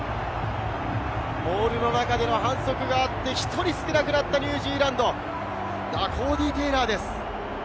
モールの中での反則があって、１人少なくなったニュージーランド、コーディー・テイラーです。